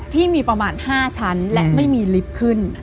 ที่มีประมาณ๕ชั้นและไม่มีลิฟต์ขึ้น